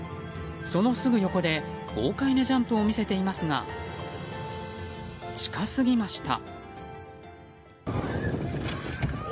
そのすぐ横で豪快なジャンプを見せていますが近すぎました。